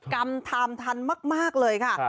กรรมไทม์ทันมากเลยค่ะ